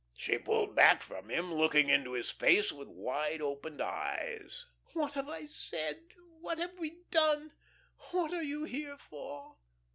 She pulled back from him, looking into his face with wide opened eyes. "What have I said, what have we done, what are you here for?"